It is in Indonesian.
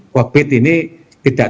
covid ini tidak